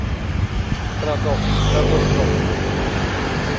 กระดกกระดนโด่